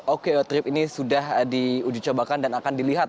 okeo trip ini sudah dicobakan dan akan dilihat